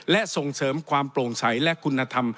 และส่งเสริมความโปร่งใสและคุณธรรม